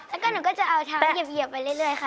แล้วก็หนูก็จะเอาเท้าเหยียบไปเรื่อยค่ะ